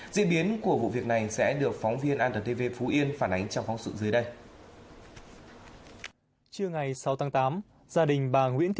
diễn biến của vụ việc này sẽ được phóng viên antv phú yên phản ánh trong phóng sự dưới đây